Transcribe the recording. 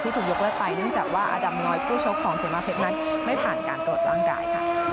ถูกยกเลิกไปเนื่องจากว่าอดัมน้อยคู่ชกของเสมาเพชรนั้นไม่ผ่านการตรวจร่างกายค่ะ